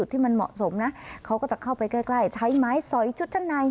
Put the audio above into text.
ที่มันเหมาะสมนะเขาก็จะเข้าไปใกล้ใช้ไม้สอยชุดชั้นใน